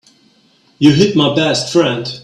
You hit my best friend.